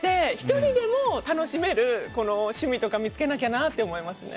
１人でも楽しめる趣味とか見つけなきゃなと思いますね。